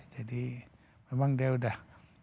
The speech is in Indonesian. jadi memang dia udah